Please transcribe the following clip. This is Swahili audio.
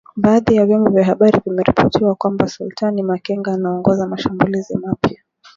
Badhi ya vyombo vya habari vimeripoti kwamba Sultani Makenga anaongoza mashambulizi mapya